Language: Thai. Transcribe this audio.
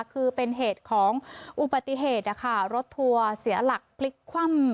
คือเป็นเหตุของอุบัติเหตุนะคะรถทัวร์เสียหลักพลิกคว่ำ